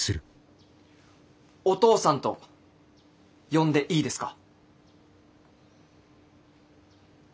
おとうさんと呼んでいいですか？